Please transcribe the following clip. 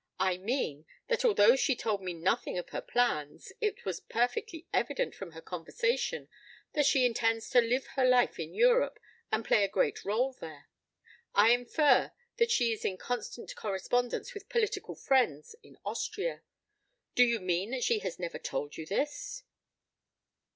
"I mean, that although she told me nothing of her plans, it was perfectly evident from her conversation that she intends to live her life in Europe and play a great rôle there. I infer that she is in constant correspondence with political friends in Austria. Do you mean that she has never told you this?"